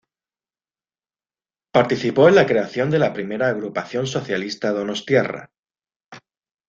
Participó en la creación de la primera agrupación socialista donostiarra.